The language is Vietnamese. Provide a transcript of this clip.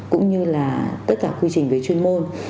cũng như là tất cả quy trình về chuyên môn